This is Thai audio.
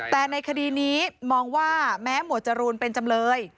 แต่ในคดีนี้มองว่าแม้หมวดจรูนเป็นจำเลย